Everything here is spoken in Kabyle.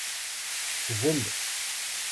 Kbel.